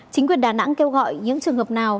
chính quyền đà nẵng kêu gọi những trường hợp nào